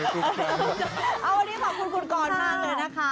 วันนี้ขอบคุณคุณก่อนมาเลยนะคะ